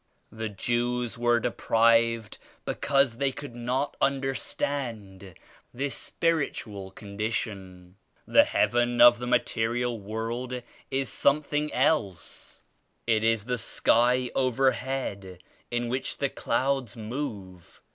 The Jews were deprived because they could not understand this spiritual condition." "The ^heaven' of the material world is some thing else. It is the sky overhead in which the 26 clouds move.